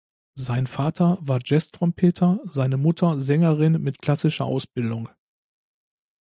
Sein Vater war Jazz-Trompeter, seine Mutter Sängerin mit klassischer Ausbildung.